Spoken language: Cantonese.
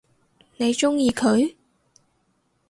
你鍾意佢？